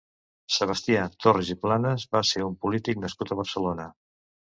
Sebastià Torres i Planas va ser un polític nascut a Barcelona.